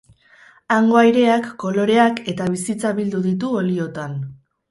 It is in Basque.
Hango aireak, koloreak eta bizitza bildu ditu oliotan.